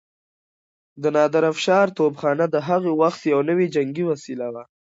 د نادرافشار توپخانه د هغه وخت يو نوی جنګي وسيله وه.